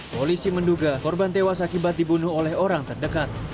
polisi menduga korban tewas akibat dibunuh oleh orang terdekat